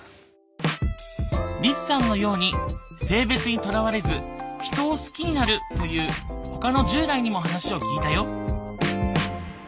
リツさんのように性別にとらわれず人を好きになるというほかの１０代にも話を聞いたよ。